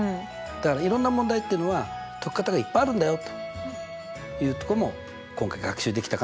だからいろんな問題っていうのは解き方がいっぱいあるんだよというとこも今回学習できたかなって気はしますね。